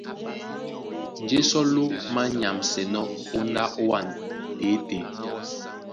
Njé sɔ́ ló manyamsɛnɔ́ póndá ówân tětē.